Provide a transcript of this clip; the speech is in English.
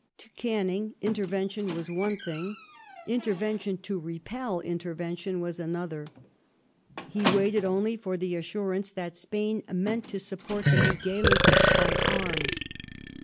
To Canning intervention was one thing ; intervention to repel intervention was another.' He waited only for the assur ance that Spain meant to support the Miguelists by arms.